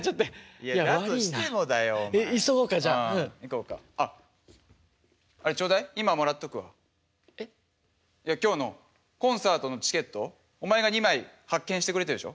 いや今日のコンサートのチケットお前が２枚発券してくれたでしょ？